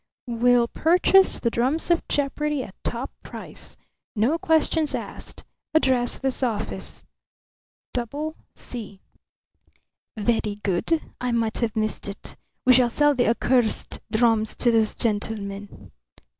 Will purchase the drums of jeopardy at top price. No questions asked. Address this office. Double C. "Very good. I might have missed it. We shall sell the accursed drums to this gentleman."